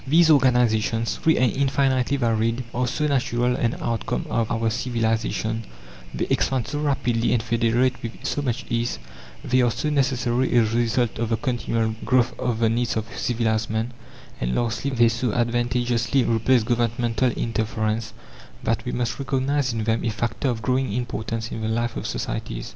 These organizations, free and infinitely varied, are so natural an outcome of our civilization; they expand so rapidly and federate with so much ease; they are so necessary a result of the continual growth of the needs of civilized man; and lastly, they so advantageously replace governmental interference, that we must recognize in them a factor of growing importance in the life of societies.